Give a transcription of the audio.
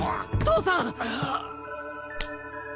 父さん！